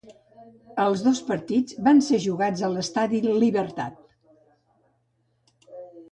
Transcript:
Els dos partits van ser jugats a l'Estadi Libertad.